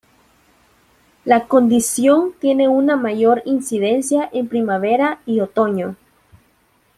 La condición tiene una mayor incidencia en primavera y otoño.